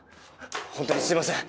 本当にすいません！！